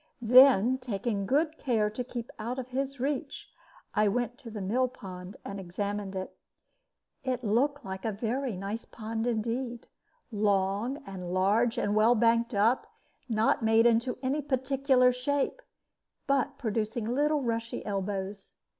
Then, taking good care to keep out of his reach, I went to the mill pond and examined it. It looked like a very nice pond indeed, long, and large, and well banked up, not made into any particular shape, but producing little rushy elbows.